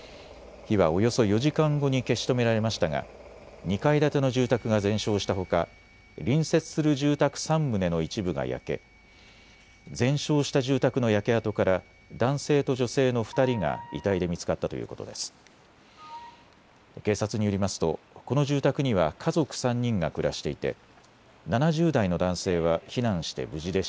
火はおよそ４時間後に消し止められましたが２階建ての住宅が全焼したほか隣接する住宅３棟の一部が焼け、全焼した住宅の焼け跡から男性と女性の２人が遺体で見つかったということです。